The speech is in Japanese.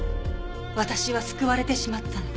私は救われてしまったの。